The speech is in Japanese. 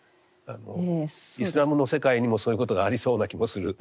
イスラムの世界にもそういうことがありそうな気もするとは思うんですね。